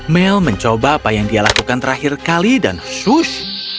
mel mencoba apa yang dia lakukan terakhir kali dan sush